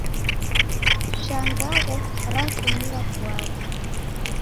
Shangagho ratumilwa kuagha.